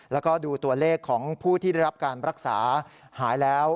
แล้วก็ดูตัวเลขของผู้ที่ได้รับการรักษาหายแล้ว